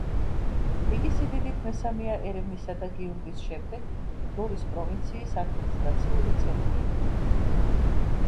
იგი სიდიდით მესამეა ერევნისა და გიუმრის შემდეგ, ლორის პროვინციის ადმინისტრაციული ცენტრი.